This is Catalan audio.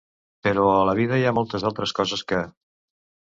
Però a la vida hi ha moltes altres coses que.